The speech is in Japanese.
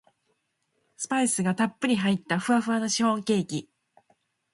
スパイスがたっぷり入ったふわふわのシフォンケーキ